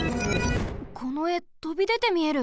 このえとびでてみえる。